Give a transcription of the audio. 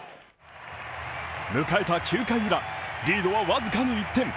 迎えた９回ウラ、リードはわずかに１点。